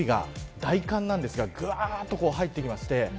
金曜日が大寒なんですがぐわっと入ってきて。